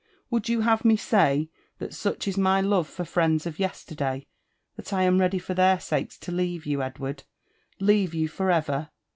Would you have me say, that such is my love for frfends of yesterday, that I am ready for their sakes to leave you, Edward — leave you for ever!